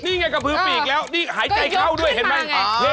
นี่ไงกระพือปีกแล้วนี่หายใจเข้าด้วยเห็นไหม